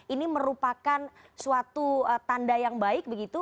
ini merupakan suatu tanda yang baik begitu